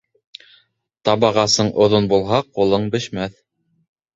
Табағасың оҙон булһа, ҡулың бешмәҫ.